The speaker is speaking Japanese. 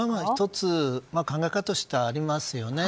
１つ考え方としてはありますよね。